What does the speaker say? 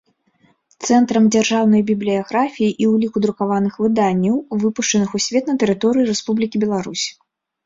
Цэнтрам дзяржаўнай бiблiяграфii i ўлiку друкаваных выданняў, выпушчаных у свет на тэрыторыi Рэспублiкi Беларусь.